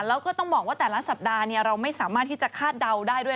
แล้วก็ต้องบอกว่าแต่ละสัปดาห์เราไม่สามารถที่จะคาดเดาได้ด้วย